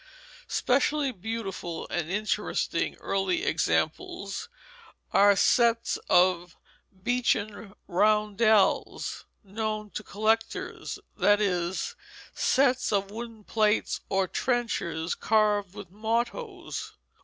Specially beautiful and interesting early examples are the sets of "beechen roundels" known to collectors; that is, sets of wooden plates or trenchers carved with mottoes.